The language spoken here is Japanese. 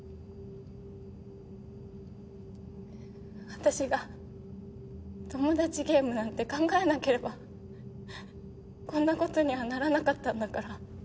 私がトモダチゲームなんて考えなければこんな事にはならなかったんだから。